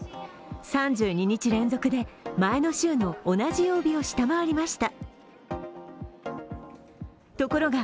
３２日連続で前の週の同じ曜日を下回りました。